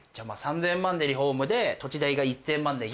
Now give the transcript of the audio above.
３０００万でリフォームで土地代が１０００万で。